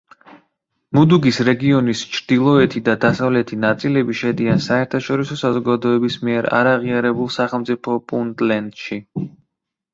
მუდუგის რეგიონის ჩრდილოეთი და დასავლეთი ნაწილები შედიან საერთაშორისო საზოგადოების მიერ არაღიარებულ სახელმწიფო პუნტლენდში.